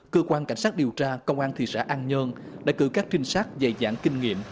cơ quan cảnh sát điều tra công an thị xã an nhơn đã cử các trinh sát dày dạng kinh nghiệm